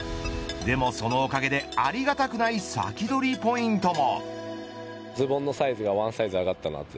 でもそのおかげでありがたくない先取りポイントも。